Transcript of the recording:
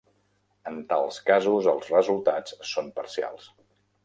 En tals casos els resultats són parcials.